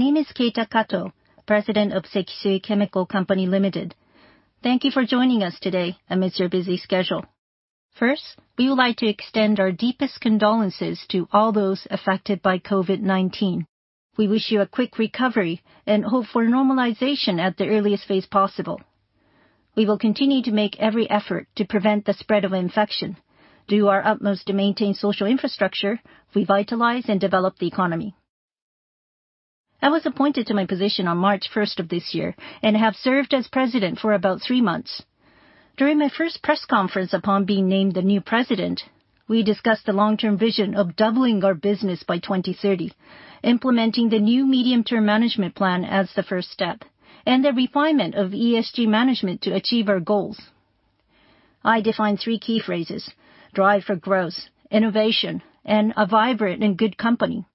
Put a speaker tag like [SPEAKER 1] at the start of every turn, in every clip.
[SPEAKER 1] My name is Keita Kato, President of Sekisui Chemical Co, Ltd. Thank you for joining us today amidst your busy schedule. First, we would like to extend our deepest condolences to all those affected by COVID-19. We wish you a quick recovery and hope for normalization at the earliest phase possible. We will continue to make every effort to prevent the spread of infection, do our utmost to maintain social infrastructure, revitalize and develop the economy. I was appointed to my position on March first of this year and have served as president for about three months. During my first press conference upon being named the new president, we discussed the long-term vision of doubling our business by 2030, implementing the new medium-term management plan as the first step, and the refinement of ESG management to achieve our goals. I define three key phrases: drive for growth, innovation, and a vibrant and good company.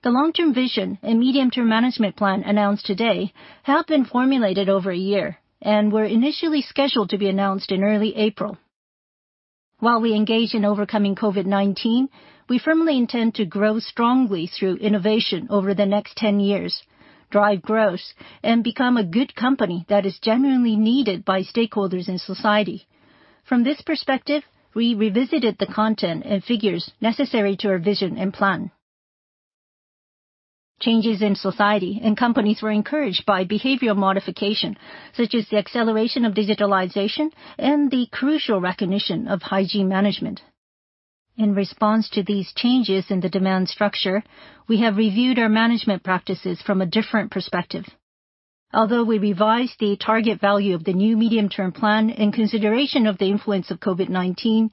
[SPEAKER 1] The long-term vision and medium-term management plan announced today have been formulated over a year and were initially scheduled to be announced in early April. While we engage in overcoming COVID-19, we firmly intend to grow strongly through innovation over the next 10 years, drive growth, and become a good company that is genuinely needed by stakeholders in society. From this perspective, we revisited the content and figures necessary to our vision and plan. Changes in society and companies were encouraged by behavioral modification, such as the acceleration of digitalization and the crucial recognition of hygiene management. In response to these changes in the demand structure, we have reviewed our management practices from a different perspective. Although we revised the target value of the new medium-term plan in consideration of the influence of COVID-19,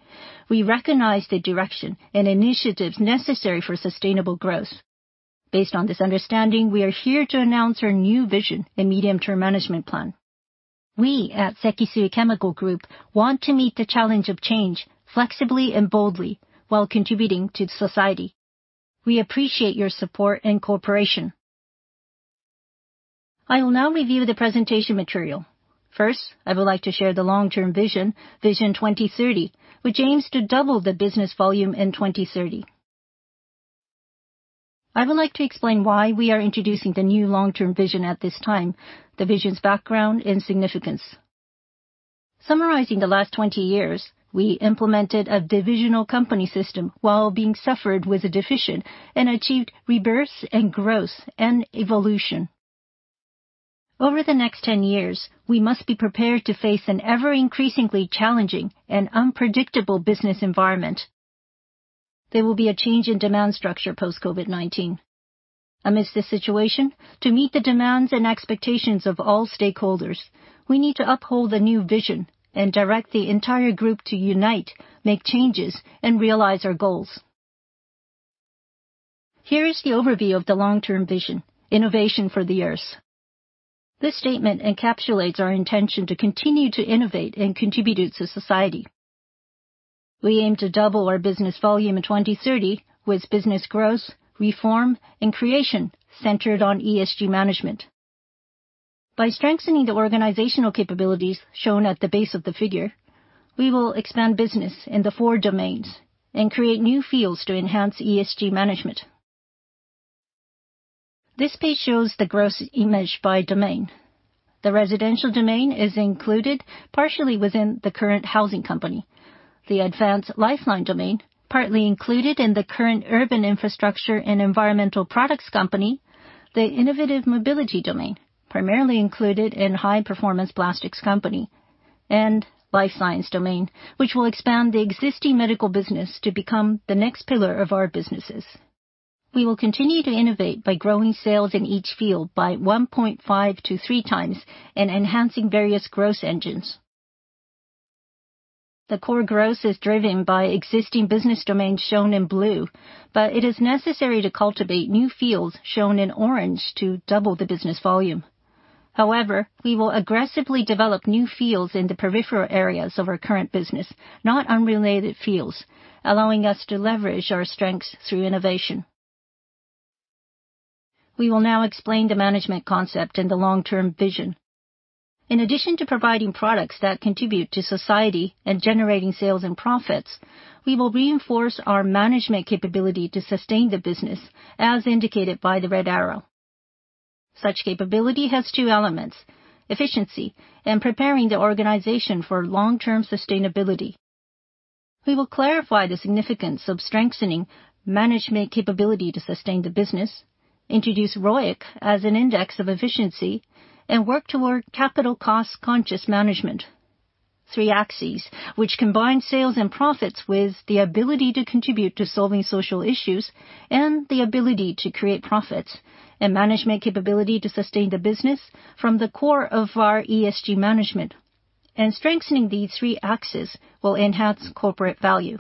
[SPEAKER 1] we recognize the direction and initiatives necessary for sustainable growth. Based on this understanding, we are here to announce our new vision and medium-term management plan. We at Sekisui Chemical Group want to meet the challenge of change flexibly and boldly while contributing to society. We appreciate your support and cooperation. I will now review the presentation material. First, I would like to share the long-term vision, Vision 2030, which aims to double the business volume in 2030. I would like to explain why we are introducing the new long-term vision at this time, the vision's background and significance. Summarizing the last 20 years, we implemented a divisional company system while suffering from a deficit and achieved rebirth and growth and evolution. Over the next 10 years, we must be prepared to face an ever-increasingly challenging and unpredictable business environment. There will be a change in demand structure post-COVID-19. Amidst this situation, to meet the demands and expectations of all stakeholders, we need to uphold a new vision and direct the entire group to unite, make changes, and realize our goals. Here is the overview of the long-term vision, Innovation for the Earth. This statement encapsulates our intention to continue to innovate and contribute to society. We aim to double our business volume in 2030 with business growth, reform, and creation centered on ESG management. By strengthening the organizational capabilities shown at the base of the figure, we will expand business in the four domains and create new fields to enhance ESG management. This page shows the growth image by domain. The residential domain is included partially within the current Housing Company. The advanced lifeline domain, partly included in the current Urban Infrastructure and Environmental Products Company. The innovative mobility domain, primarily included in High Performance Plastics Company. Life science domain, which will expand the existing medical business to become the next pillar of our businesses. We will continue to innovate by growing sales in each field by 1.5x-3x and enhancing various growth engines. The core growth is driven by existing business domains shown in blue, but it is necessary to cultivate new fields shown in orange to double the business volume. However, we will aggressively develop new fields in the peripheral areas of our current business, not unrelated fields, allowing us to leverage our strengths through innovation. We will now explain the management concept and the long-term vision. In addition to providing products that contribute to society and generating sales and profits, we will reinforce our management capability to sustain the business, as indicated by the red arrow. Such capability has two elements: efficiency and preparing the organization for long-term sustainability. We will clarify the significance of strengthening management capability to sustain the business, introduce ROIC as an index of efficiency, and work toward capital cost-conscious management. Three axes which combine sales and profits with the ability to contribute to solving social issues and the ability to create profits and management capability to sustain the business form the core of our ESG management. Strengthening these three axes will enhance corporate value.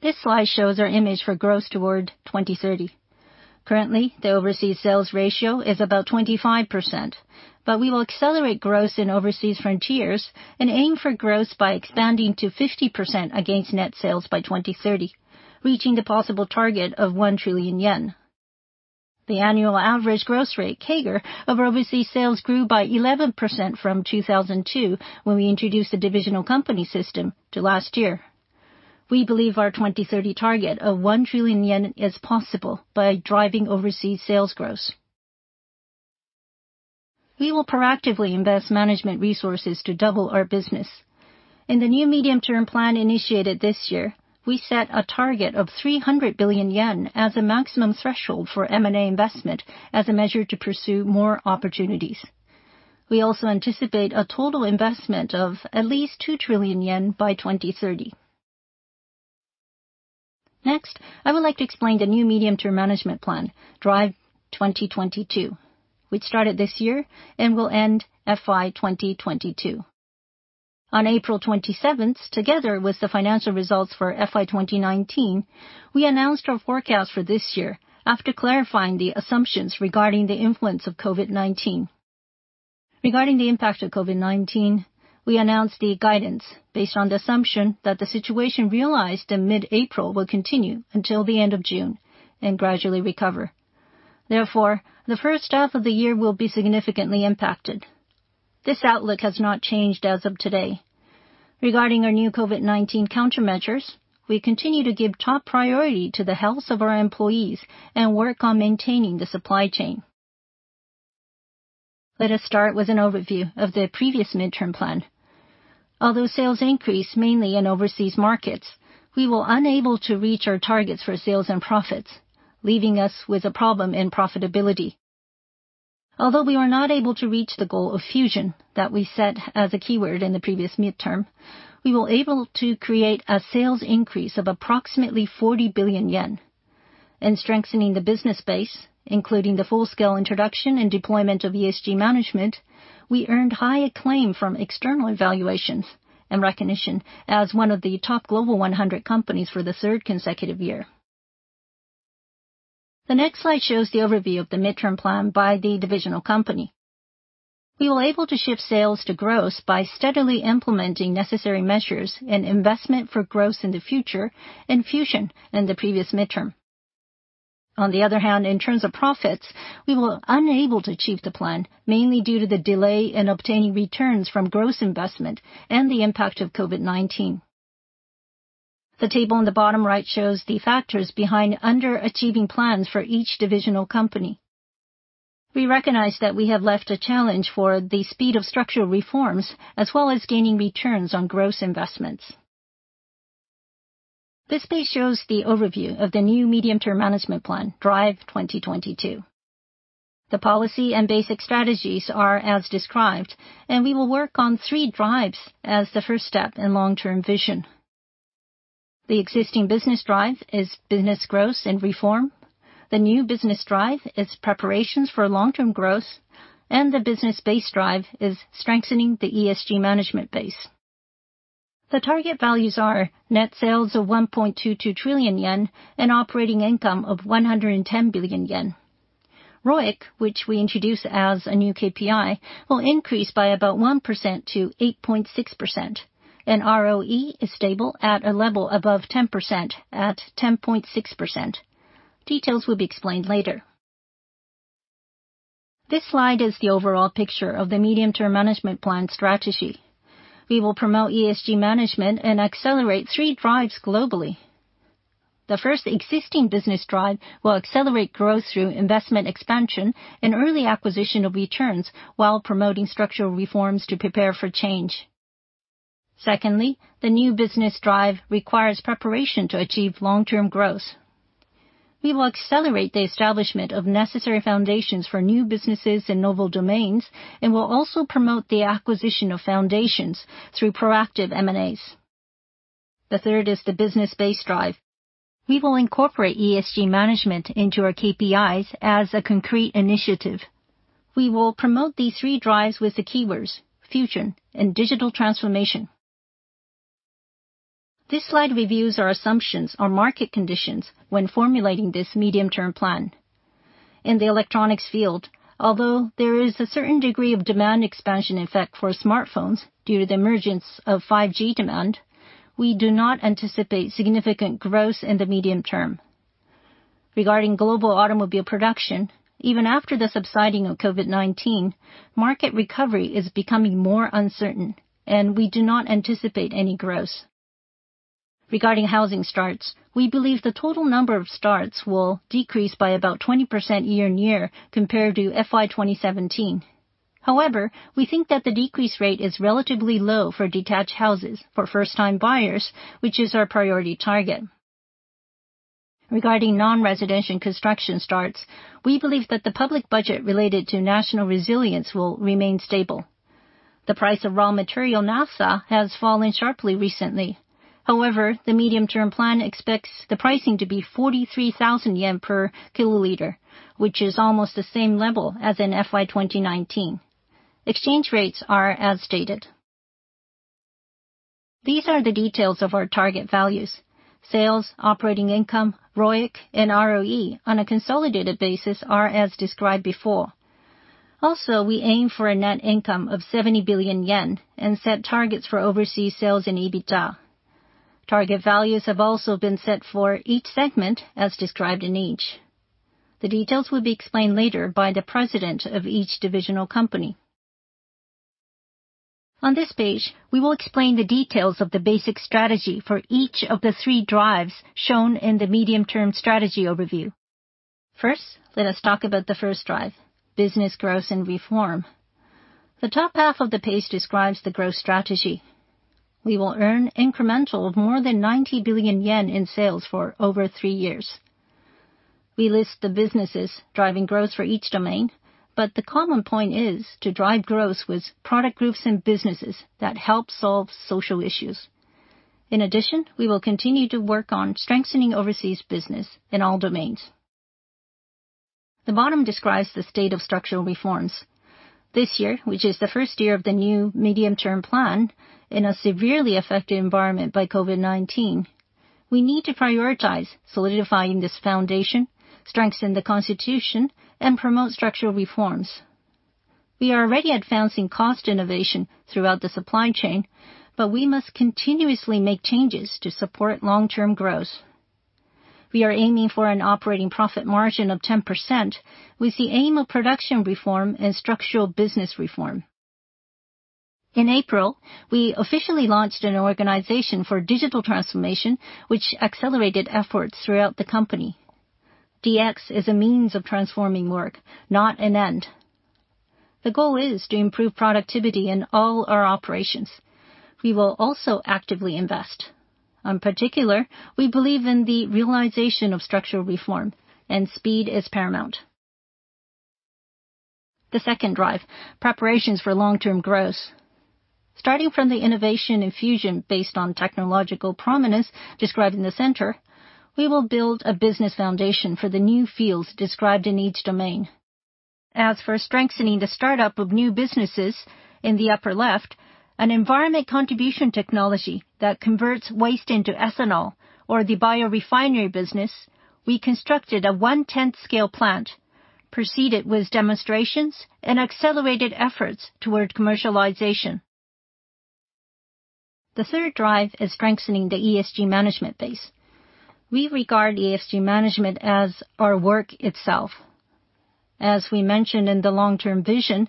[SPEAKER 1] This slide shows our image for growth toward 2030. Currently, the overseas sales ratio is about 25%, but we will accelerate growth in overseas frontiers and aim for growth by expanding to 50% against net sales by 2030, reaching the possible target of 1 trillion yen. The annual average growth rate, CAGR, of overseas sales grew by 11% from 2002 when we introduced the divisional company system to last year. We believe our 2030 target of 1 trillion yen is possible by driving overseas sales growth. We will proactively invest management resources to double our business. In the new medium-term plan initiated this year, we set a target of 300 billion yen as a maximum threshold for M&A investment as a measure to pursue more opportunities. We also anticipate a total investment of at least 2 trillion yen by 2030. Next, I would like to explain the new medium-term management plan, Drive 2022. We started this year and will end FY 2022. On April 27th, together with the financial results for FY 2019, we announced our forecast for this year after clarifying the assumptions regarding the influence of COVID-19. Regarding the impact of COVID-19, we announced the guidance based on the assumption that the situation realized in mid-April will continue until the end of June and gradually recover. Therefore, the first half of the year will be significantly impacted. This outlook has not changed as of today. Regarding our new COVID-19 countermeasures, we continue to give top priority to the health of our employees and work on maintaining the supply chain. Let us start with an overview of the previous medium-term plan. Although sales increased mainly in overseas markets, we were unable to reach our targets for sales and profits, leaving us with a problem in profitability. Although we were not able to reach the goal of fusion that we set as a keyword in the previous midterm, we were able to create a sales increase of approximately 40 billion yen. In strengthening the business base, including the full-scale introduction and deployment of ESG management, we earned high acclaim from external evaluations and recognition as one of the top Global 100 companies for the third consecutive year. The next slide shows the overview of the midterm plan by the divisional company. We were able to shift sales to growth by steadily implementing necessary measures and investment for growth in the future and fusion in the previous midterm. On the other hand, in terms of profits, we were unable to achieve the plan, mainly due to the delay in obtaining returns from growth investment and the impact of COVID-19. The table on the bottom right shows the factors behind underachieving plans for each divisional company. We recognize that we have left a challenge for the speed of structural reforms, as well as gaining returns on growth investments. This page shows the overview of the new medium-term management plan, Drive 2022. The policy and basic strategies are as described, and we will work on three drives as the first step in long-term vision. The existing business drive is business growth and reform. The new business drive is preparations for long-term growth, and the business base drive is strengthening the ESG management base. The target values are net sales of 1.22 trillion yen, and operating income of 110 billion yen. ROIC, which we introduce as a new KPI, will increase by about 1%-8.6%, and ROE is stable at a level above 10% at 10.6%. Details will be explained later. This slide is the overall picture of the medium-term management plan strategy. We will promote ESG management and accelerate three drives globally. The first existing business drive will accelerate growth through investment expansion and early acquisition of returns while promoting structural reforms to prepare for change. Secondly, the new business drive requires preparation to achieve long-term growth. We will accelerate the establishment of necessary foundations for new businesses in novel domains and will also promote the acquisition of foundations through proactive M&As. The third is the business base drive. We will incorporate ESG management into our KPIs as a concrete initiative. We will promote these three drives with the keywords fusion and digital transformation. This slide reviews our assumptions on market conditions when formulating this medium-term plan. In the electronics field, although there is a certain degree of demand expansion effect for smartphones due to the emergence of 5G demand, we do not anticipate significant growth in the medium term. Regarding global automobile production, even after the subsiding of COVID-19, market recovery is becoming more uncertain, and we do not anticipate any growth. Regarding housing starts, we believe the total number of starts will decrease by about 20% year-on-year compared to FY 2017. However, we think that the decrease rate is relatively low for detached houses for first-time buyers, which is our priority target. Regarding non-residential construction starts, we believe that the public budget related to national resilience will remain stable. The price of raw material naphtha has fallen sharply recently. However, the medium-term plan expects the pricing to be 43,000 yen per kiloliter, which is almost the same level as in FY 2019. Exchange rates are as stated. These are the details of our target values. Sales, operating income, ROIC, and ROE on a consolidated basis are as described before. Also, we aim for a net income of 70 billion yen and set targets for overseas sales and EBITDA. Target values have also been set for each segment as described in each. The details will be explained later by the president of each divisional company. On this page, we will explain the details of the basic strategy for each of the three drives shown in the medium-term strategy overview. First, let us talk about the first drive, business growth and reform. The top half of the page describes the growth strategy. We will earn incremental sales of more than 90 billion yen in sales for over 3 years. We list the businesses driving growth for each domain, but the common point is to drive growth with product groups and businesses that help solve social issues. In addition, we will continue to work on strengthening overseas business in all domains. The bottom describes the state of structural reforms. This year, which is the first year of the new medium-term plan, in a severely affected environment by COVID-19, we need to prioritize solidifying this foundation, strengthen the constitution, and promote structural reforms. We are already advancing cost innovation throughout the supply chain, but we must continuously make changes to support long-term growth. We are aiming for an operating profit margin of 10% with the aim of production reform and structural business reform. In April, we officially launched an organization for digital transformation, which accelerated efforts throughout the company. DX is a means of transforming work, not an end. The goal is to improve productivity in all our operations. We will also actively invest. In particular, we believe in the realization of structural reform and speed is paramount. The second drive, preparations for long-term growth. Starting from the innovation and fusion based on technological prominence described in the center, we will build a business foundation for the new fields described in each domain. As for strengthening the startup of new businesses in the upper left, an environmental contribution technology that converts waste into ethanol or the biorefinery business, we constructed a one-tenth scale plant, proceeded with demonstrations, and accelerated efforts toward commercialization. The third drive is strengthening the ESG management base. We regard ESG management as our work itself. As we mentioned in the long-term vision,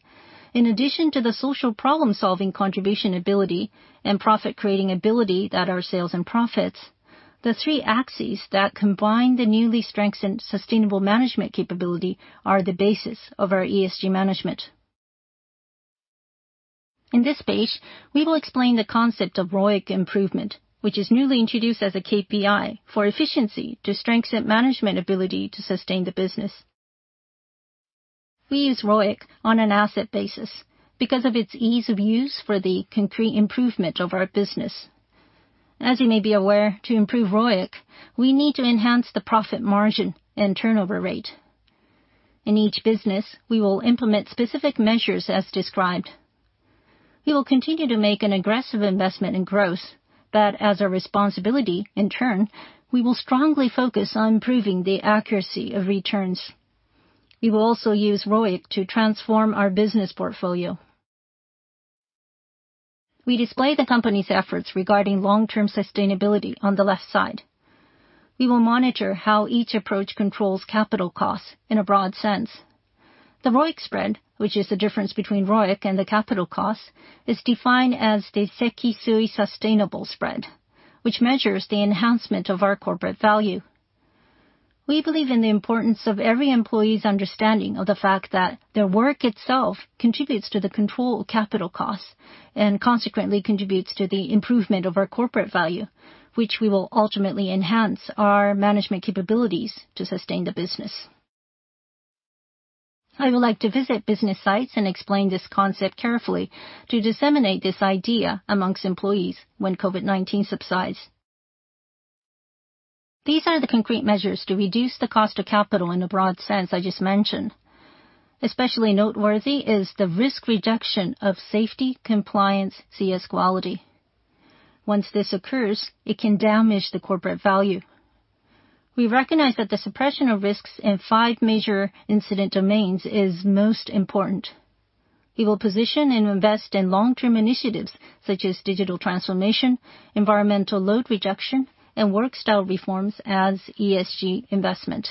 [SPEAKER 1] in addition to the social problem-solving contribution ability and profit-creating ability that are sales and profits, the three axes that combine the newly strengthened sustainable management capability are the basis of our ESG management. In this page, we will explain the concept of ROIC improvement, which is newly introduced as a KPI for efficiency to strengthen management ability to sustain the business. We use ROIC on an asset basis because of its ease of use for the concrete improvement of our business. As you may be aware, to improve ROIC, we need to enhance the profit margin and turnover rate. In each business, we will implement specific measures as described. We will continue to make an aggressive investment in growth, but as a responsibility, in turn, we will strongly focus on improving the accuracy of returns. We will also use ROIC to transform our business portfolio. We display the company's efforts regarding long-term sustainability on the left side. We will monitor how each approach controls capital costs in a broad sense. The ROIC spread, which is the difference between ROIC and the capital costs, is defined as the SEKISUI Sustainable Spread, which measures the enhancement of our corporate value. We believe in the importance of every employee's understanding of the fact that their work itself contributes to the control of capital costs and consequently contributes to the improvement of our corporate value, which we will ultimately enhance our management capabilities to sustain the business. I would like to visit business sites and explain this concept carefully to disseminate this idea among employees when COVID-19 subsides. These are the concrete measures to reduce the cost of capital in a broad sense I just mentioned. Especially noteworthy is the risk reduction of safety, compliance, CS quality. Once this occurs, it can damage the corporate value. We recognize that the suppression of risks in five major incident domains is most important. We will position and invest in long-term initiatives such as digital transformation, environmental load reduction, and work style reforms as ESG investment.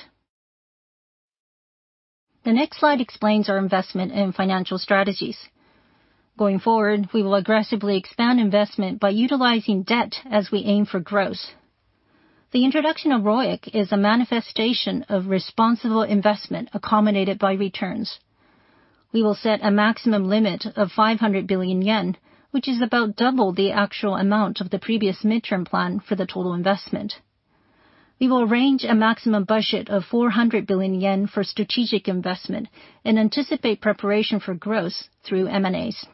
[SPEAKER 1] The next slide explains our investment and financial strategies. Going forward, we will aggressively expand investment by utilizing debt as we aim for growth. The introduction of ROIC is a manifestation of responsible investment accompanied by returns. We will set a maximum limit of 500 billion yen, which is about double the actual amount of the previous midterm plan for the total investment. We will arrange a maximum budget of 400 billion yen for strategic investment and anticipate preparation for growth through M&As.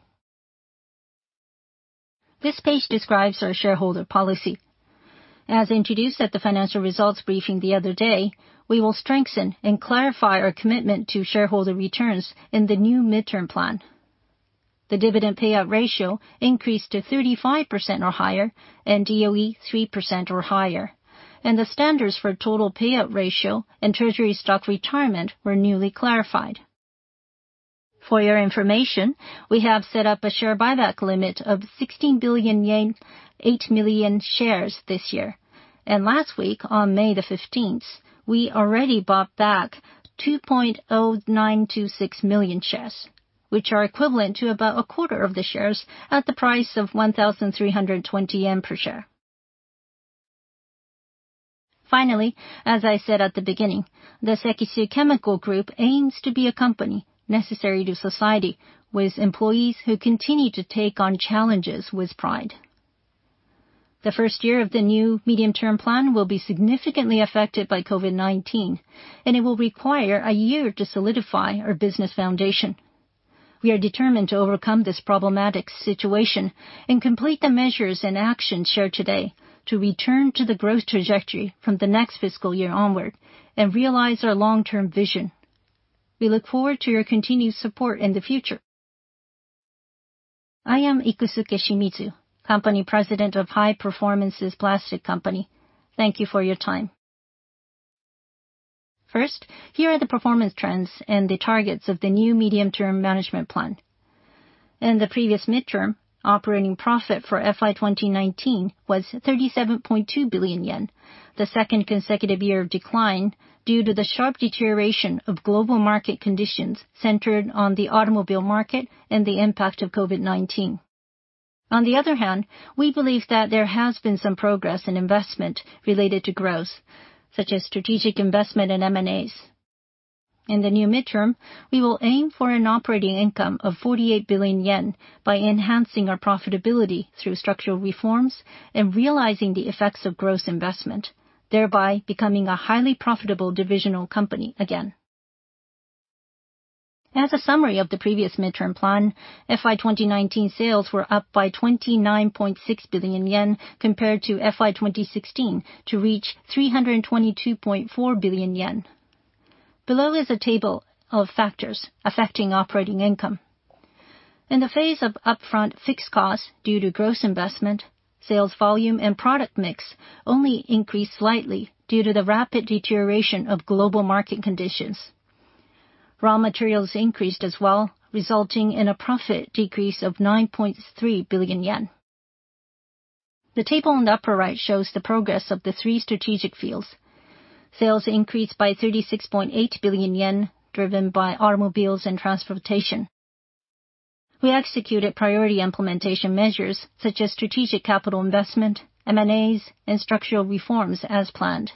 [SPEAKER 1] This page describes our shareholder policy. As introduced at the financial results briefing the other day, we will strengthen and clarify our commitment to shareholder returns in the new midterm plan. The dividend payout ratio increased to 35% or higher and DOE 3% or higher, and the standards for total payout ratio and treasury stock retirement were newly clarified. For your information, we have set up a share buyback limit of 16 billion yen, 8 million shares this year. Last week, on May 15th, we already bought back 2.0926 million shares, which are equivalent to about a quarter of the shares at the price of 1,320 yen per share. Finally, as I said at the beginning, the Sekisui Chemical Group aims to be a company necessary to society with employees who continue to take on challenges with pride. The first year of the new medium-term plan will be significantly affected by COVID-19, and it will require a year to solidify our business foundation. We are determined to overcome this problematic situation and complete the measures and actions shared today to return to the growth trajectory from the next fiscal year onward and realize our long-term vision. We look forward to your continued support in the future.
[SPEAKER 2] I am Ikusuke Shimizu, company President of High Performance Plastics Company. Thank you for your time. First, here are the performance trends and the targets of the new medium-term management plan. In the previous midterm, operating profit for FY 2019 was 37.2 billion yen, the second consecutive year of decline due to the sharp deterioration of global market conditions centered on the automobile market and the impact of COVID-19. On the other hand, we believe that there has been some progress in investment related to growth, such as strategic investment in M&As. In the new midterm, we will aim for an operating income of 48 billion yen by enhancing our profitability through structural reforms and realizing the effects of growth investment, thereby becoming a highly profitable divisional company again. As a summary of the previous midterm plan, FY 2019 sales were up by 29.6 billion yen compared to FY 2016 to reach 322.4 billion yen. Below is a table of factors affecting operating income. In the face of upfront fixed costs due to gross investment, sales volume and product mix only increased slightly due to the rapid deterioration of global market conditions. Raw materials increased as well, resulting in a profit decrease of 9.3 billion yen. The table on the upper right shows the progress of the three strategic fields. Sales increased by 36.8 billion yen driven by automobiles and transportation. We executed priority implementation measures such as strategic capital investment, M&As, and structural reforms as planned.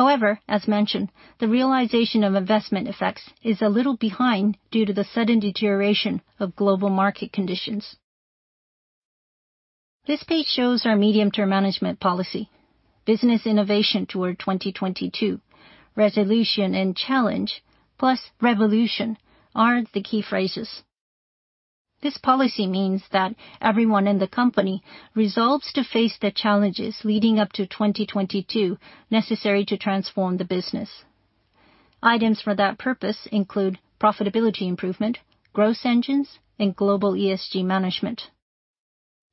[SPEAKER 2] However, as mentioned, the realization of investment effects is a little behind due to the sudden deterioration of global market conditions. This page shows our medium-term management policy, business innovation toward 2022. Resolution and challenge plus revolution are the key phrases. This policy means that everyone in the company resolves to face the challenges leading up to 2022 necessary to transform the business. Items for that purpose include profitability improvement, growth engines, and global ESG management.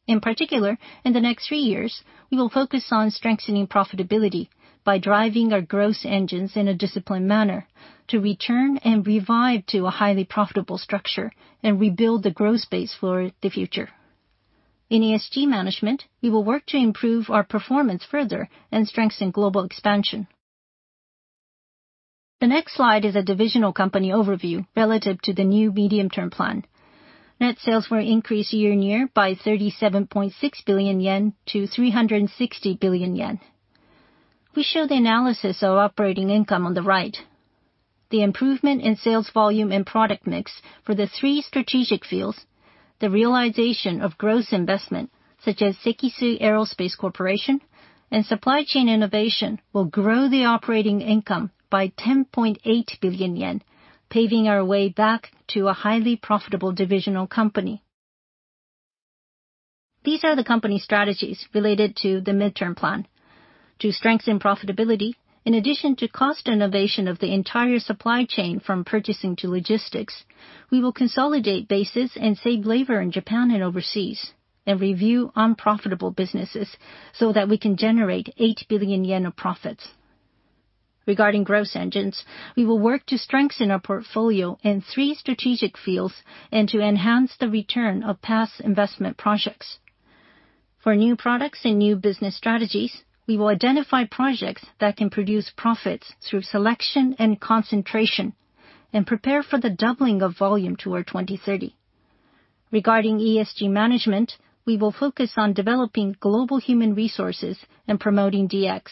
[SPEAKER 2] In particular, in the next 3 years, we will focus on strengthening profitability by driving our growth engines in a disciplined manner to return and revive to a highly profitable structure and rebuild the growth base for the future. In ESG management, we will work to improve our performance further and strengthen global expansion. The next slide is a divisional company overview relative to the new medium-term plan. Net sales will increase year-on-year by 37.6 billion yen to 360 billion yen. We show the analysis of operating income on the right. The improvement in sales volume and product mix for the three strategic fields, the realization of growth investment, such as Sekisui Aerospace Corporation, and supply chain innovation will grow the operating income by 10.8 billion yen, paving our way back to a highly profitable divisional company. These are the company strategies related to the midterm plan. To strengthen profitability, in addition to cost innovation of the entire supply chain from purchasing to logistics, we will consolidate bases and save labor in Japan and overseas and review unprofitable businesses so that we can generate 8 billion yen of profits. Regarding growth engines, we will work to strengthen our portfolio in three strategic fields and to enhance the return of past investment projects. For new products and new business strategies, we will identify projects that can produce profits through selection and concentration and prepare for the doubling of volume toward 2030. Regarding ESG management, we will focus on developing global human resources and promoting DX.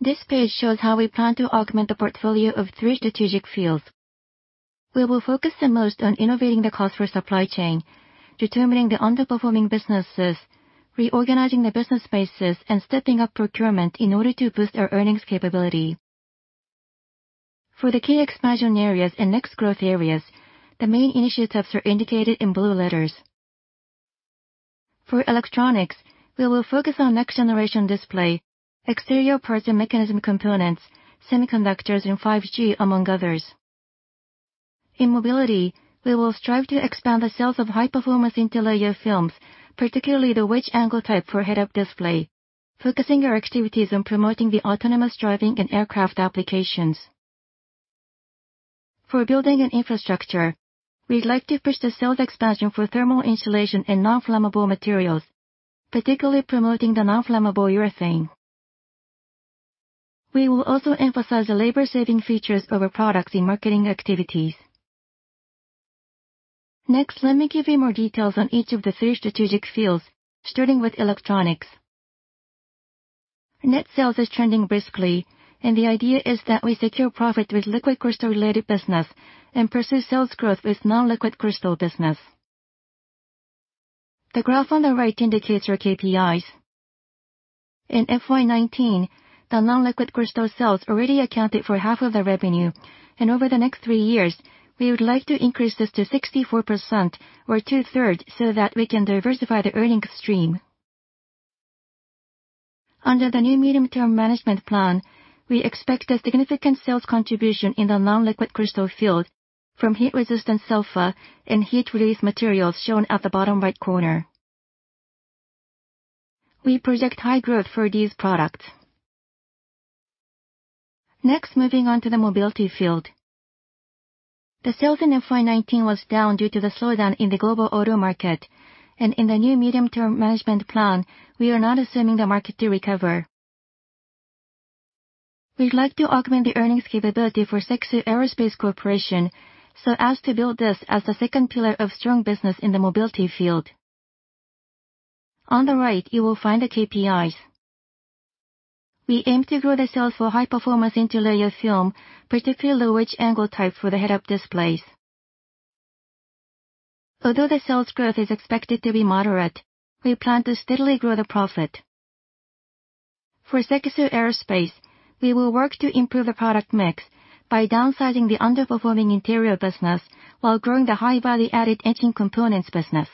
[SPEAKER 2] This page shows how we plan to augment the portfolio of three strategic fields. We will focus the most on innovating the cost for supply chain, determining the underperforming businesses, reorganizing the business bases, and stepping up procurement in order to boost our earnings capability. For the key expansion areas and next growth areas, the main initiatives are indicated in blue letters. For electronics, we will focus on next-generation display, exterior parts and mechanism components, semiconductors, and 5G, among others. In mobility, we will strive to expand the sales of high-performance interlayer films, particularly the wedge angle type for head-up display, focusing our activities on promoting the autonomous driving and aircraft applications. For building and infrastructure, we'd like to push the sales expansion for thermal insulation and non-flammable materials, particularly promoting the non-flammable urethane. We will also emphasize the labor-saving features of our products in marketing activities. Next, let me give you more details on each of the three strategic fields, starting with electronics. Net sales is trending briskly, and the idea is that we secure profit with liquid crystal related business and pursue sales growth with non-liquid crystal business. The graph on the right indicates our KPIs. In FY 2019, the non-liquid crystal sales already accounted for half of the revenue, and over the next 3 years, we would like to increase this to 64% or two-thirds so that we can diversify the earning stream. Under the new medium-term management plan, we expect a significant sales contribution in the non-liquid crystal field from heat-resistant sealant and heat release materials shown at the bottom right corner. We project high growth for these products. Next, moving on to the mobility field. The sales in FY 2019 was down due to the slowdown in the global auto market. In the new medium-term management plan, we are not assuming the market to recover. We'd like to augment the earnings capability for Sekisui Aerospace Corporation, so as to build this as the second pillar of strong business in the mobility field. On the right you will find the KPIs. We aim to grow the sales for high-performance interlayer film, particularly the wedge angle type for the head-up displays. Although the sales growth is expected to be moderate, we plan to steadily grow the profit. For Sekisui Aerospace, we will work to improve the product mix by downsizing the underperforming interior business while growing the high value-added engine components business.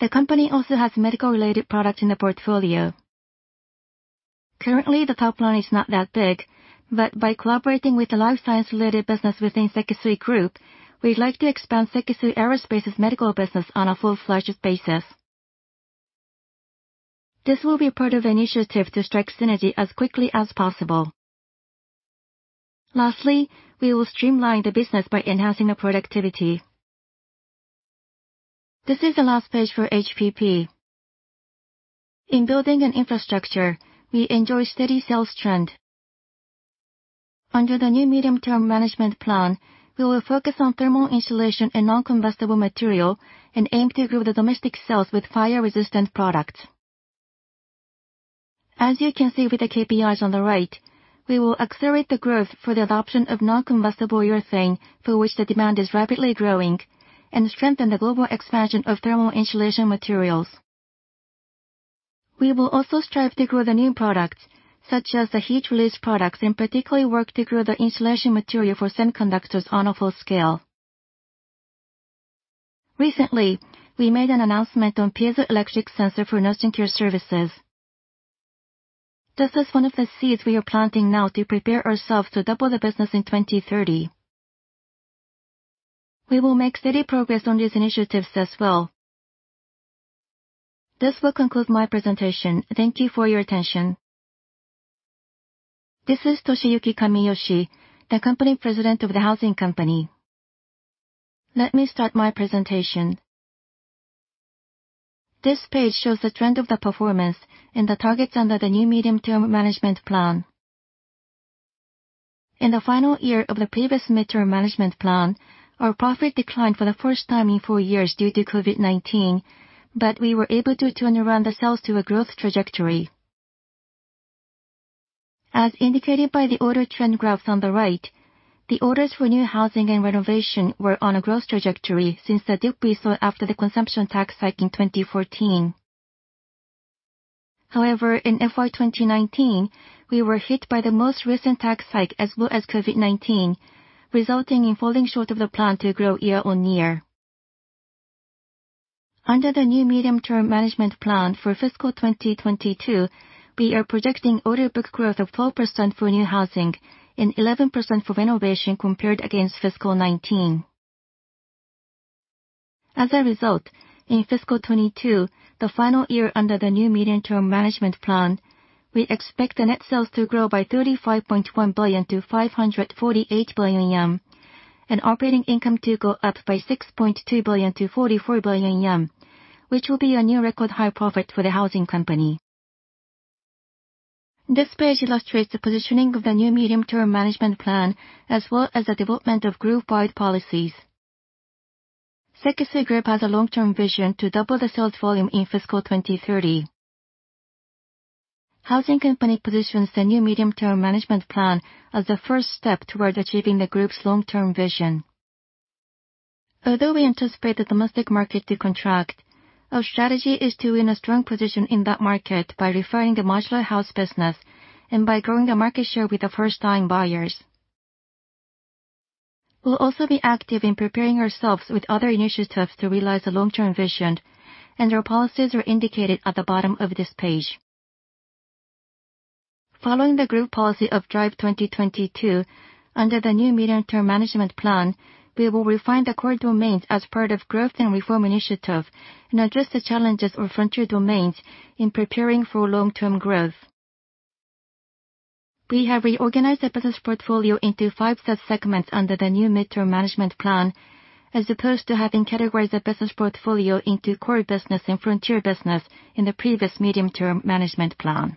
[SPEAKER 2] The company also has medical related products in the portfolio. Currently, the top line is not that big, but by collaborating with the life science related business within Sekisui Group, we'd like to expand Sekisui Aerospace's medical business on a full-fledged basis. This will be part of the initiative to strike synergy as quickly as possible. Lastly, we will streamline the business by enhancing the productivity. This is the last page for HPP. In building an infrastructure, we enjoy steady sales trend. Under the new medium-term management plan, we will focus on thermal insulation and non-combustible material and aim to grow the domestic sales with fire-resistant products. As you can see with the KPIs on the right, we will accelerate the growth for the adoption of non-combustible urethane for which the demand is rapidly growing, and strengthen the global expansion of thermal insulation materials. We will also strive to grow the new products such as the heat release products, and particularly work to grow the insulation material for semiconductors on a full scale. Recently, we made an announcement on piezoelectric sensor for nursing care services. This is one of the seeds we are planting now to prepare ourselves to double the business in 2030. We will make steady progress on these initiatives as well. This will conclude my presentation. Thank you for your attention.
[SPEAKER 3] This is Toshiyuki Kamiyoshi, the company President of the Housing Company. Let me start my presentation. This page shows the trend of the performance and the targets under the new medium-term management plan. In the final year of the previous mid-term management plan, our profit declined for the first time in 4 years due to COVID-19, but we were able to turn around the sales to a growth trajectory. As indicated by the order trend graph on the right, the orders for new housing and renovation were on a growth trajectory since the dip we saw after the consumption tax hike in 2014. However, in FY 2019, we were hit by the most recent tax hike as well as COVID-19, resulting in falling short of the plan to grow year-on-year. Under the new medium-term management plan for fiscal 2022, we are projecting order book growth of 12% for new housing and 11% for renovation compared against fiscal 2019. As a result, in fiscal 2022, the final year under the new medium-term management plan, we expect the net sales to grow by 35.1 billion to 548 billion yen. Operating income to go up by 6.2 billion to 44 billion yen, which will be a new record high profit for the Housing Company. This page illustrates the positioning of the new medium-term management plan as well as the development of group-wide policies. Sekisui Chemical Group has a long-term vision to double the sales volume in fiscal 2030. Housing Company positions the new medium-term management plan as a first step towards achieving the group's long-term vision. Although we anticipate the domestic market to contract, our strategy is to win a strong position in that market by refining the modular house business and by growing the market share with the first-time buyers. We'll also be active in preparing ourselves with other initiatives to realize the long-term vision, and our policies are indicated at the bottom of this page. Following the group policy of Drive 2022, under the new medium-term management plan, we will refine the core domains as part of growth and reform initiative and address the challenges of frontier domains in preparing for long-term growth. We have reorganized the business portfolio into five sub-segments under the new mid-term management plan, as opposed to having categorized the business portfolio into core business and frontier business in the previous medium-term management plan.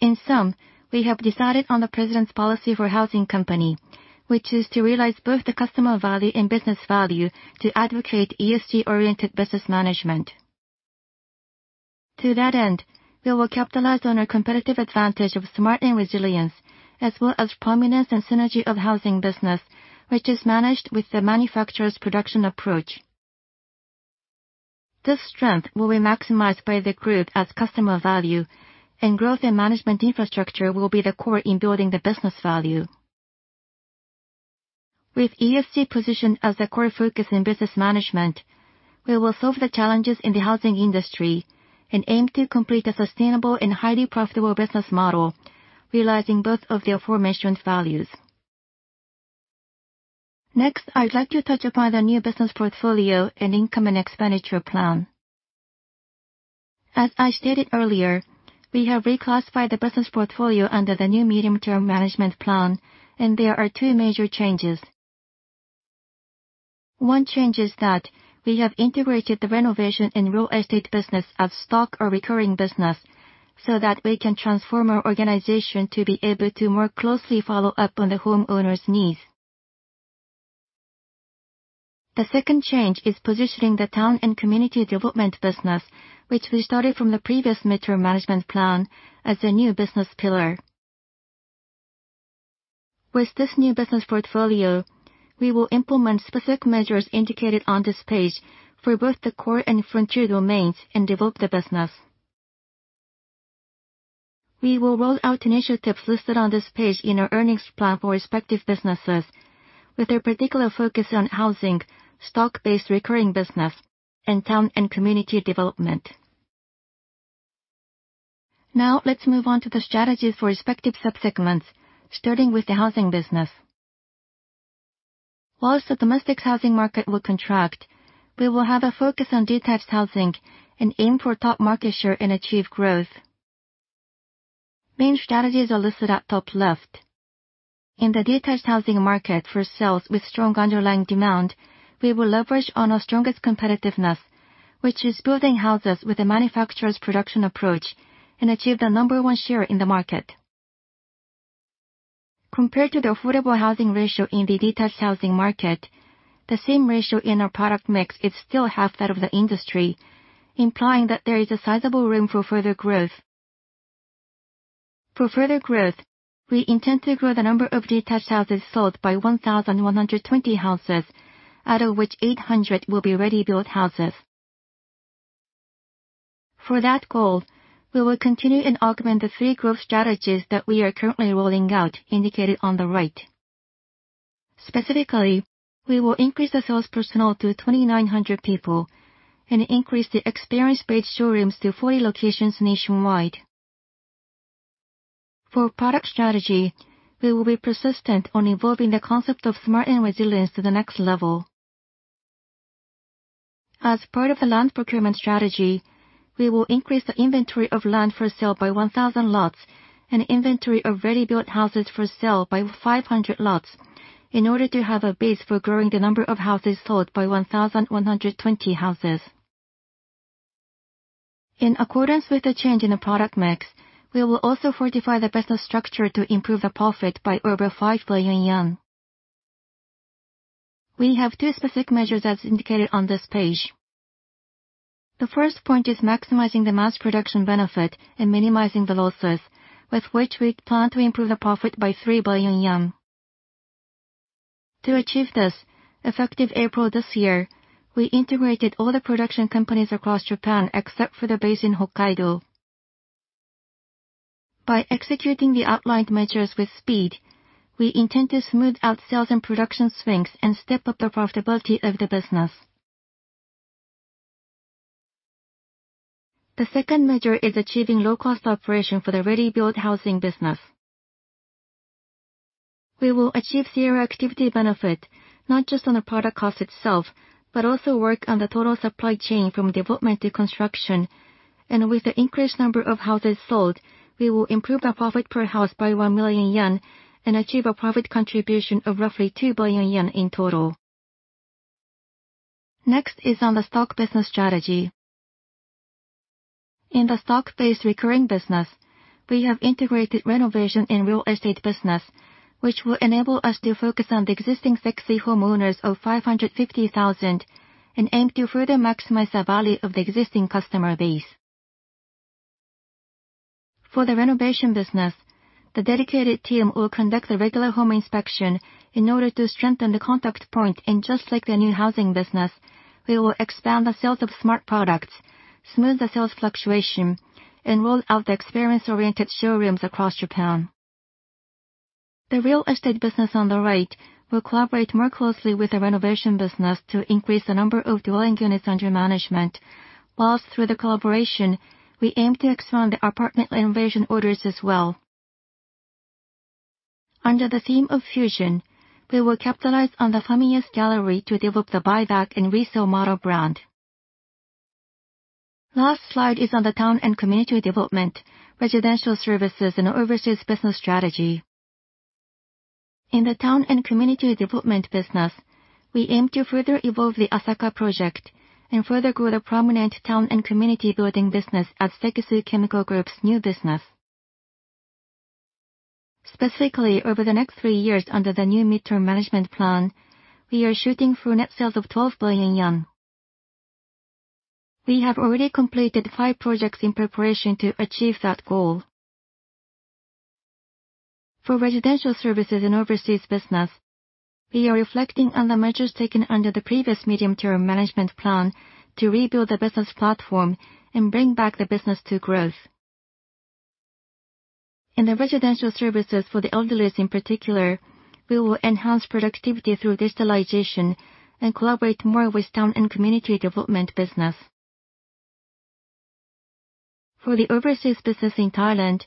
[SPEAKER 3] In sum, we have decided on the president's policy for Housing Company, which is to realize both the customer value and business value to advocate ESG-oriented business management. To that end, we will capitalize on our competitive advantage of smart and resilience as well as prominence and synergy of housing business, which is managed with the manufacturer's production approach. This strength will be maximized by the group as customer value and growth in management infrastructure will be the core in building the business value. With ESG positioned as the core focus in business management, we will solve the challenges in the housing industry and aim to complete a sustainable and highly profitable business model, realizing both of the aforementioned values. Next, I'd like to touch upon the new business portfolio and income and expenditure plan. As I stated earlier, we have reclassified the business portfolio under the new medium-term management plan, and there are two major changes. One change is that we have integrated the renovation and real estate business of stock or recurring business so that we can transform our organization to be able to more closely follow up on the homeowner's needs. The second change is positioning the town and community development business, which we started from the previous midterm management plan as a new business pillar. With this new business portfolio, we will implement specific measures indicated on this page for both the core and frontier domains and develop the business. We will roll out initiatives listed on this page in our earnings plan for respective businesses with a particular focus on housing, stock-based recurring business, and town and community development. Now let's move on to the strategies for respective sub-segments, starting with the housing business. While the domestic housing market will contract, we will have a focus on detached housing and aim for top market share and achieve growth. Main strategies are listed at top left. In the detached housing market for sales with strong underlying demand, we will leverage on our strongest competitiveness, which is building houses with a manufacturer's production approach and achieve the number one share in the market. Compared to the affordable housing ratio in the detached housing market, the same ratio in our product mix is still half that of the industry, implying that there is a sizable room for further growth. For further growth, we intend to grow the number of detached houses sold by 1,120 houses, out of which 800 will be ready-built houses. For that goal, we will continue and augment the three growth strategies that we are currently rolling out indicated on the right. Specifically, we will increase the sales personnel to 2,900 people and increase the experience-based showrooms to 40 locations nationwide. For product strategy, we will be persistent on evolving the concept of smart and resilience to the next level. As part of the land procurement strategy, we will increase the inventory of land for sale by 1,000 lots and inventory of ready-built houses for sale by 500 lots in order to have a base for growing the number of houses sold by 1,120 houses. In accordance with the change in the product mix, we will also fortify the business structure to improve the profit by over 5 billion yen. We have two specific measures as indicated on this page. The first point is maximizing the mass production benefit and minimizing the losses with which we plan to improve the profit by 3 billion yen. To achieve this, effective April this year, we integrated all the production companies across Japan, except for the base in Hokkaido. By executing the outlined measures with speed, we intend to smooth out sales and production swings and step up the profitability of the business. The second measure is achieving low-cost operation for the ready-built housing business. We will achieve zero activity benefit, not just on the product cost itself, but also work on the total supply chain from development to construction. With the increased number of houses sold, we will improve the profit per house by 1 million yen and achieve a profit contribution of roughly 2 billion yen in total. Next is on the stock business strategy. In the stock-based recurring business, we have integrated renovation in real estate business, which will enable us to focus on the existing 60,000 homeowners of 550,000 and aim to further maximize the value of the existing customer base. For the renovation business, the dedicated team will conduct a regular home inspection in order to strengthen the contact point. Just like the new housing business, we will expand the sales of smart products, smooth the sales fluctuation and roll out the experience-oriented showrooms across Japan. The real estate business on the right will collaborate more closely with the renovation business to increase the number of dwelling units under management, while through the collaboration, we aim to expand the apartment renovation orders as well. Under the theme of fusion, we will capitalize on the Familiar Gallery to develop the buyback and resale model brand. Last slide is on the town and community development, residential services, and overseas business strategy. In the town and community development business, we aim to further evolve the Asaka project and further grow the prominent town and community building business at Sekisui Chemical Group's new business. Specifically, over the next 3 years under the new midterm management plan, we are shooting for net sales of 12 billion yen. We have already completed five projects in preparation to achieve that goal. For residential services and overseas business, we are reflecting on the measures taken under the previous medium-term management plan to rebuild the business platform and bring back the business to growth. In the residential services for the elderly in particular, we will enhance productivity through digitalization and collaborate more with town and community development business. For the overseas business in Thailand,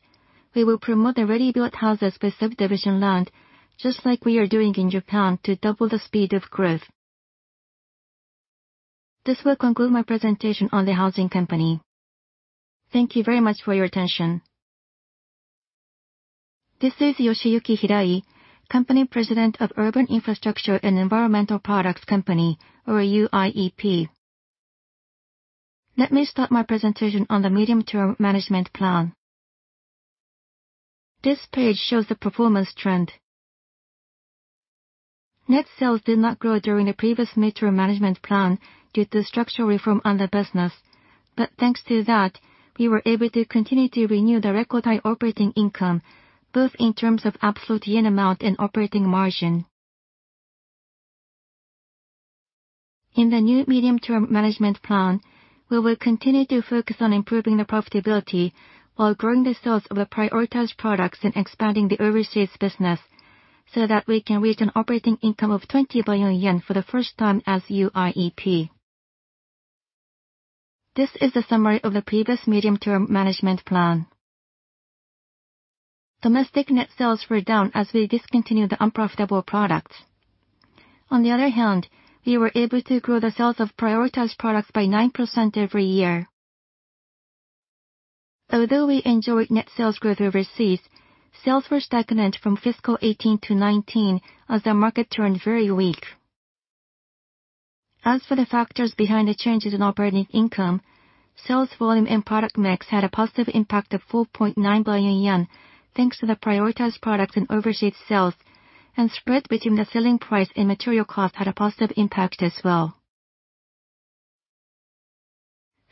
[SPEAKER 3] we will promote the ready-built houses with subdivision land, just like we are doing in Japan, to double the speed of growth. This will conclude my presentation on the housing company. Thank you very much for your attention.
[SPEAKER 4] This is Yoshiyuki Hirai, company President of Urban Infrastructure and Environmental Products Company, or UIEP. Let me start my presentation on the medium-term management plan. This page shows the performance trend. Net sales did not grow during the previous medium-term management plan due to structural reform on the business. Thanks to that, we were able to continue to renew the record high operating income, both in terms of absolute yen amount and operating margin. In the new medium-term management plan, we will continue to focus on improving the profitability while growing the sales of the prioritized products and expanding the overseas business so that we can reach an operating income of 20 billion yen for the first time as UIEP. This is the summary of the previous medium-term management plan. Domestic net sales were down as we discontinued the unprofitable products. On the other hand, we were able to grow the sales of prioritized products by 9% every year. Although we enjoyed net sales growth overseas, sales were stagnant from fiscal 2018-2019 as the market turned very weak. As for the factors behind the changes in operating income, sales volume and product mix had a positive impact of 4.9 billion yen, thanks to the prioritized products and overseas sales, and spread between the selling price and material cost had a positive impact as well.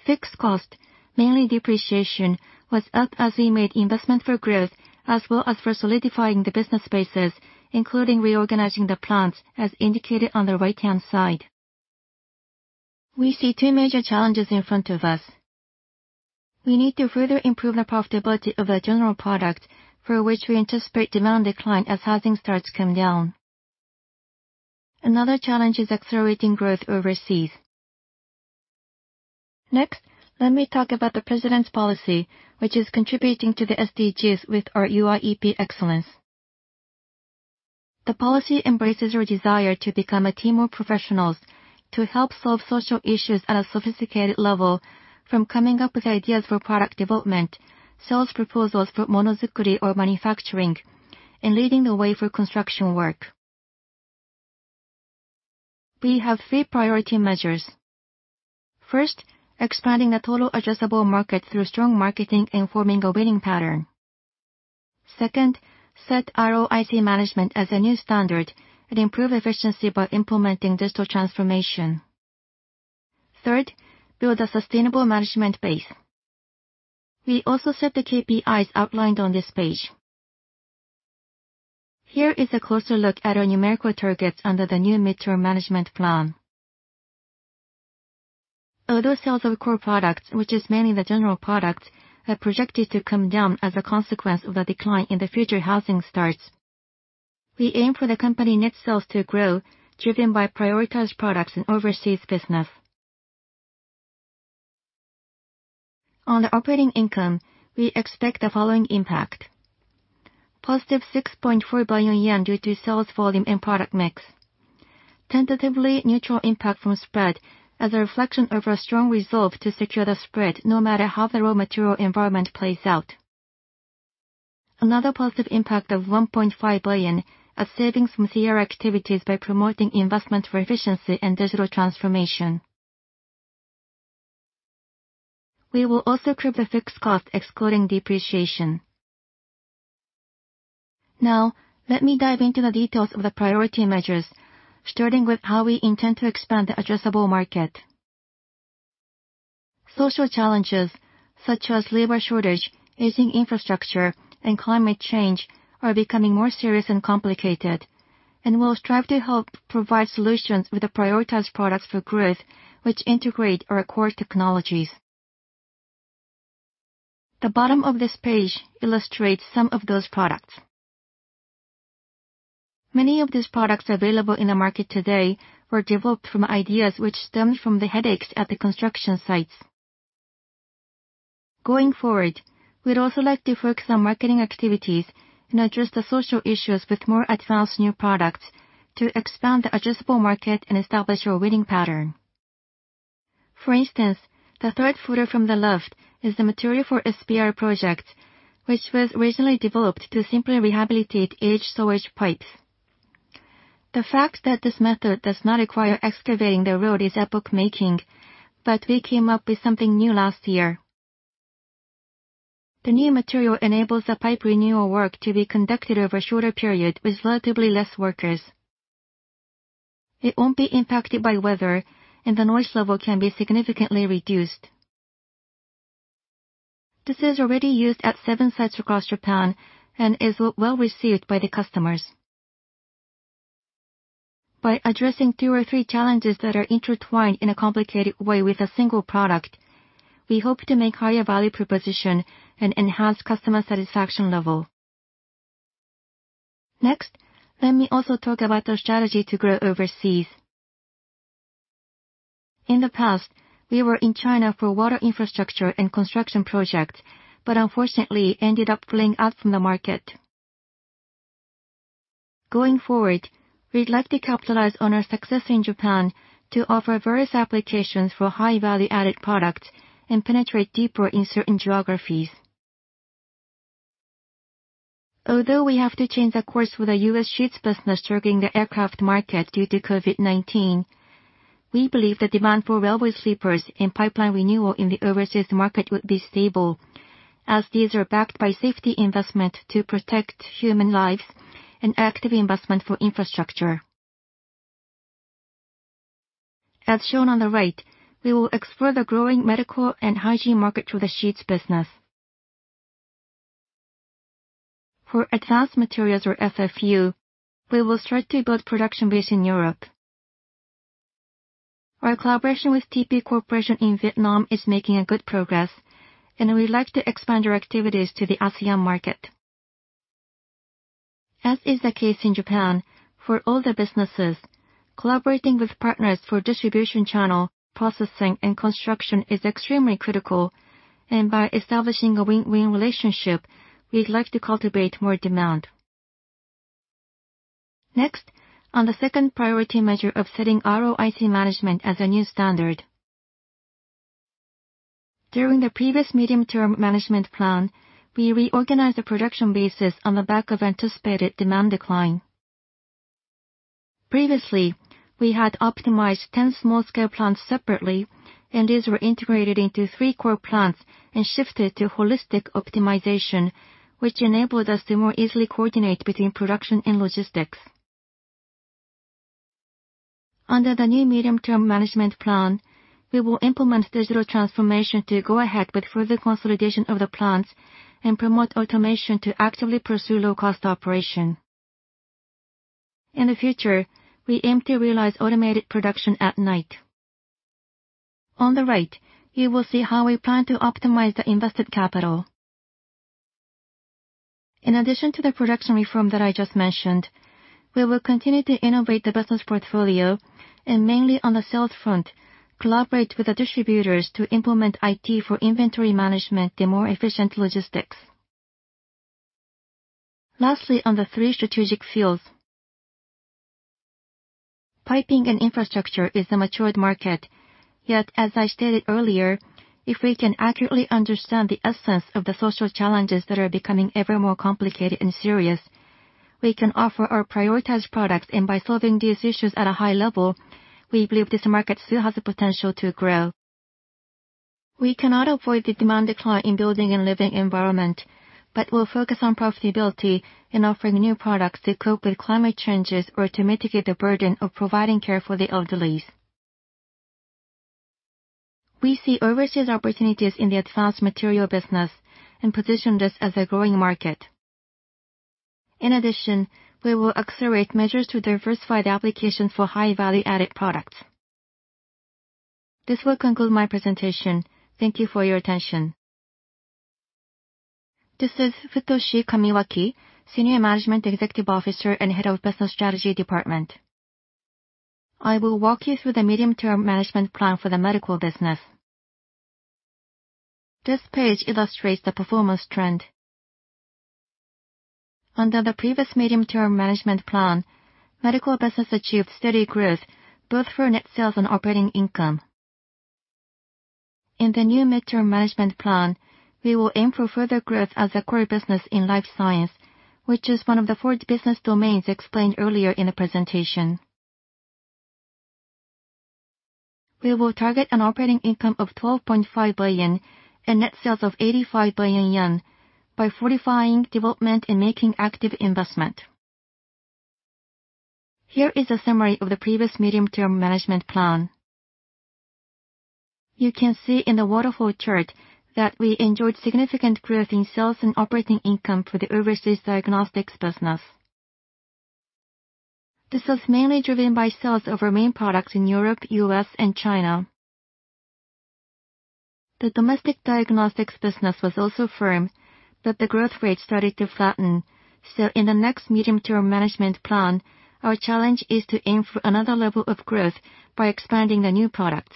[SPEAKER 4] Fixed cost, mainly depreciation, was up as we made investment for growth as well as for solidifying the business spaces, including reorganizing the plants as indicated on the right-hand side. We see two major challenges in front of us. We need to further improve the profitability of the general product for which we anticipate demand decline as housing starts come down. Another challenge is accelerating growth overseas. Next, let me talk about the president's policy, which is contributing to the SDGs with our UIEP excellence. The policy embraces our desire to become a team of professionals to help solve social issues at a sophisticated level, from coming up with ideas for product development, sales proposals for monozukuri or manufacturing, and leading the way for construction work. We have three priority measures. First, expanding the total addressable market through strong marketing and forming a winning pattern. Second, set ROIC management as a new standard and improve efficiency by implementing digital transformation. Third, build a sustainable management base. We also set the KPIs outlined on this page. Here is a closer look at our numerical targets under the new medium-term management plan. Although sales of core products, which is mainly the general products, are projected to come down as a consequence of a decline in the future housing starts, we aim for the company net sales to grow driven by prioritized products and overseas business. On the operating income, we expect the following impact. Positive 6.4 billion yen due to sales volume and product mix. Tentatively neutral impact from spread as a reflection of a strong resolve to secure the spread, no matter how the raw material environment plays out. Another positive impact of 1.5 billion of savings from CR activities by promoting investment for efficiency and digital transformation. We will also curb the fixed cost, excluding depreciation. Now, let me dive into the details of the priority measures, starting with how we intend to expand the addressable market. Social challenges such as labor shortage, aging infrastructure, and climate change are becoming more serious and complicated, and we'll strive to help provide solutions with the prioritized products for growth, which integrate our core technologies. The bottom of this page illustrates some of those products. Many of these products available in the market today were developed from ideas which stemmed from the headaches at the construction sites. Going forward, we'd also like to focus on marketing activities and address the social issues with more advanced new products to expand the addressable market and establish our winning pattern. For instance, the third photo from the left is the material for SPR project, which was originally developed to simply rehabilitate aged sewage pipes. The fact that this method does not require excavating the road is epoch-making. We came up with something new last year. The new material enables the pipe renewal work to be conducted over a shorter period with relatively less workers. It won't be impacted by weather, and the noise level can be significantly reduced. This is already used at seven sites across Japan and is well received by the customers. By addressing two or three challenges that are intertwined in a complicated way with a single product, we hope to make higher value proposition and enhance customer satisfaction level. Next, let me also talk about the strategy to grow overseas. In the past, we were in China for water infrastructure and construction projects, but unfortunately ended up pulling out from the market. Going forward, we'd like to capitalize on our success in Japan to offer various applications for high value-added products and penetrate deeper in certain geographies. Although we have to change the course for the U.S. sheets business targeting the aircraft market due to COVID-19, we believe the demand for railway sleepers and pipeline renewal in the overseas market would be stable, as these are backed by safety investment to protect human lives and active investment for infrastructure. As shown on the right, we will explore the growing medical and hygiene market through the sheets business. For advanced materials or FFU, we will start to build production base in Europe. Our collaboration with TP Corporation in Vietnam is making a good progress, and we'd like to expand our activities to the ASEAN market. As is the case in Japan, for all the businesses, collaborating with partners for distribution channel, processing, and construction is extremely critical. By establishing a win-win relationship, we'd like to cultivate more demand. Next, on the second priority measure of setting ROIC management as a new standard. During the previous medium-term management plan, we reorganized the production bases on the back of anticipated demand decline. Previously, we had optimized 10 small scale plants separately, and these were integrated into 3 core plants and shifted to holistic optimization, which enabled us to more easily coordinate between production and logistics. Under the new medium-term management plan, we will implement digital transformation to go ahead with further consolidation of the plants and promote automation to actively pursue low cost operation. In the future, we aim to realize automated production at night. On the right, you will see how we plan to optimize the invested capital. In addition to the production reform that I just mentioned, we will continue to innovate the business portfolio and mainly on the sales front, collaborate with the distributors to implement IT for inventory management and more efficient logistics. Lastly, on the three strategic fields. Piping and infrastructure is a mature market. Yet, as I stated earlier, if we can accurately understand the essence of the social challenges that are becoming ever more complicated and serious, we can offer our prioritized products. By solving these issues at a high level, we believe this market still has the potential to grow. We cannot avoid the demand decline in building and living environment, but we'll focus on profitability in offering new products to cope with climate changes or to mitigate the burden of providing care for the elderly. We see overseas opportunities in the advanced material business and position this as a growing market. In addition, we will accelerate measures to diversify the application for high value-added products. This will conclude my presentation. Thank you for your attention.
[SPEAKER 5] This is Futoshi Kamiwaki, Senior Managing Executive Officer and Head of Business Strategy Department. I will walk you through the medium-term management plan for the medical business. This page illustrates the performance trend. Under the previous medium-term management plan, medical business achieved steady growth both for net sales and operating income. In the new medium-term management plan, we will aim for further growth as a core business in life science, which is one of the four business domains explained earlier in the presentation. We will target an operating income of 12.5 billion and net sales of 85 billion yen by fortifying development and making active investment. Here is a summary of the previous medium-term management plan. You can see in the waterfall chart that we enjoyed significant growth in sales and operating income for the overseas diagnostics business. This was mainly driven by sales of our main products in Europe, U.S., and China. The domestic diagnostics business was also firm, but the growth rate started to flatten. In the next medium-term management plan, our challenge is to aim for another level of growth by expanding the new products.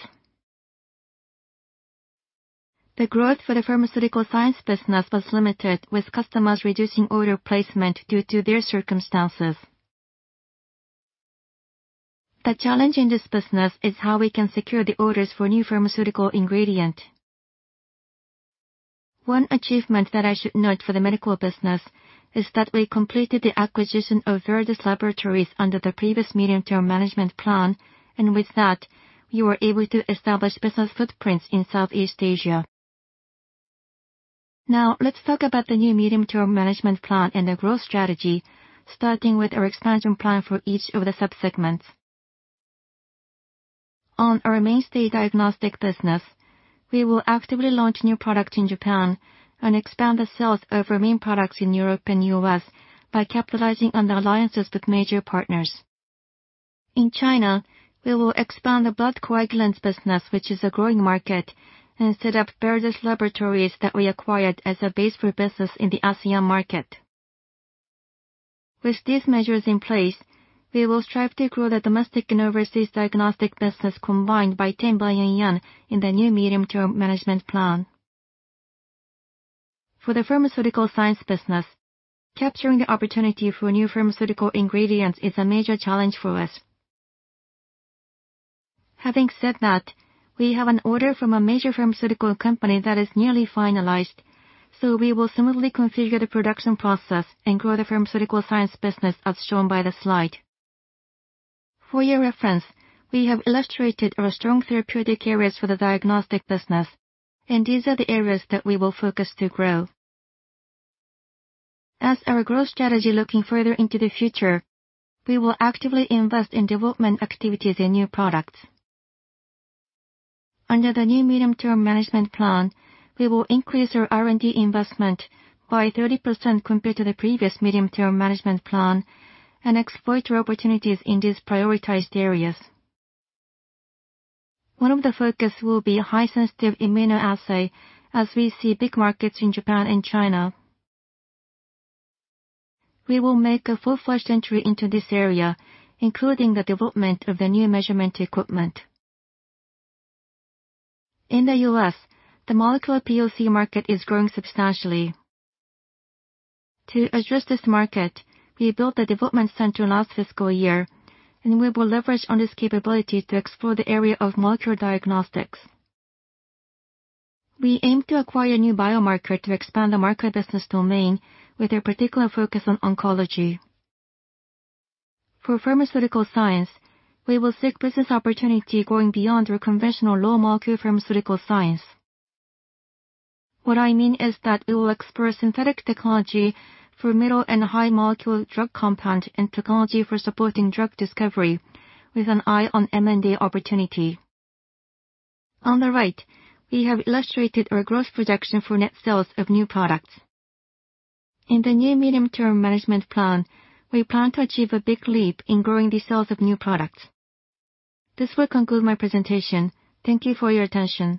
[SPEAKER 5] The growth for the pharmaceutical science business was limited, with customers reducing order placement due to their circumstances. The challenge in this business is how we can secure the orders for new pharmaceutical ingredient. One achievement that I should note for the medical business is that we completed the acquisition of Veredus Laboratories under the previous medium-term management plan, and with that, we were able to establish business footprints in Southeast Asia. Now, let's talk about the new medium-term management plan and the growth strategy, starting with our expansion plan for each of the sub-segments. On our mainstay diagnostic business, we will actively launch new products in Japan and expand the sales of our main products in Europe and U.S. by capitalizing on the alliances with major partners. In China, we will expand the blood coagulants business, which is a growing market, and set up Veredus Laboratories that we acquired as a base for business in the ASEAN market. With these measures in place, we will strive to grow the domestic and overseas diagnostic business combined by 10 billion yen in the new medium-term management plan. For the pharmaceutical science business, capturing the opportunity for new pharmaceutical ingredients is a major challenge for us. Having said that, we have an order from a major pharmaceutical company that is nearly finalized. We will smoothly configure the production process and grow the pharmaceutical science business as shown by the slide. For your reference, we have illustrated our strong therapeutic areas for the diagnostic business, and these are the areas that we will focus to grow. As our growth strategy looking further into the future, we will actively invest in development activities in new products. Under the new medium-term management plan, we will increase our R&D investment by 30% compared to the previous medium-term management plan and exploit our opportunities in these prioritized areas. One of the focus will be high sensitive immunoassay as we see big markets in Japan and China. We will make a full-fledged entry into this area, including the development of the new measurement equipment. In the U.S., the molecular POC market is growing substantially. To address this market, we built a development center in our fiscal year, and we will leverage on this capability to explore the area of molecular diagnostics. We aim to acquire new biomarker to expand the marker diagnostics domain with a particular focus on oncology. For pharmaceutical science, we will seek business opportunity going beyond our conventional low molecule pharmaceutical science. What I mean is that we will explore synthetic technology for middle and high molecule drug compound and technology for supporting drug discovery with an eye on M&A opportunity. On the right, we have illustrated our growth projection for net sales of new products. In the new medium-term management plan, we plan to achieve a big leap in growing the sales of new products. This will conclude my presentation. Thank you for your attention.